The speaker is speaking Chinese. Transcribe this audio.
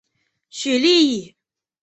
许力以。